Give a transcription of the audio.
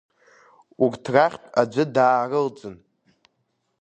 Урҭ рахьтә аӡәы даарылҵын…